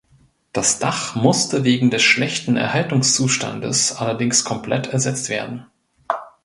Das Dach musste wegen des schlechten Erhaltungszustandes allerdings komplett ersetzt werden.